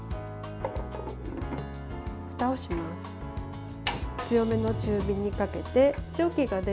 ふたをします。